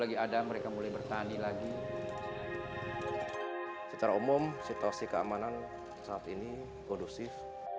ini lagi secara umum situasi keamanan saat ini kondusif